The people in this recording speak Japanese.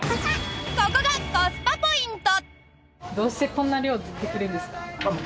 ここがコスパポイント！